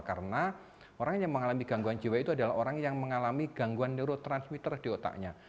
karena orang yang mengalami gangguan jiwa itu adalah orang yang mengalami gangguan neurotransmitter di otaknya